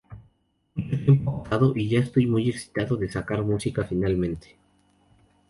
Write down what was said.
Mucho tiempo ha pasado, y ya estoy muy excitado de sacar música finalmente.